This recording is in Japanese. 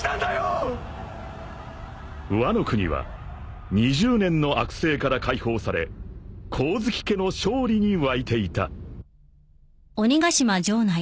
［ワノ国は２０年の悪政から解放され光月家の勝利に沸いていた］